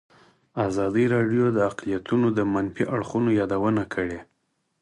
ازادي راډیو د اقلیتونه د منفي اړخونو یادونه کړې.